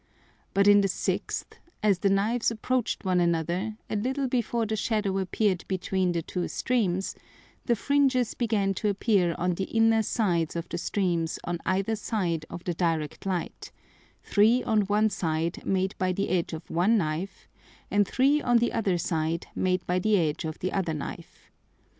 But in the sixth, as the Knives approached one another, a little before the Shadow appeared between the two streams, the Fringes began to appear on the inner ends of the Streams on either side of the direct Light; three on one side made by the edge of one Knife, and three on the other side made by the edge of the other Knife.